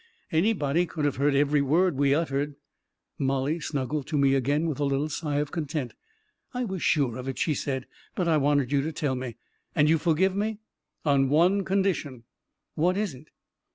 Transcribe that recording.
Anybody could have heard every word we uttered." Mollie snuggled to me again with a little sigh of content. " I was sure of it," she said; " but I wanted you to tell me. And you forgive me ?"" On one condition." " What is it?